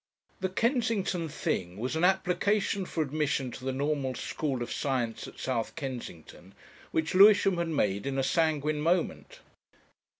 The "Kensington thing" was an application for admission to the Normal School of Science at South Kensington, which Lewisham had made in a sanguine moment.